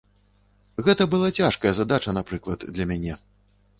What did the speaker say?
Гэта была цяжкая задача, напрыклад, для мяне.